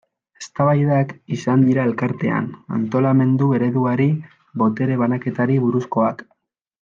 Eztabaidak izan dira Elkartean, antolamendu ereduari, botere banaketari buruzkoak.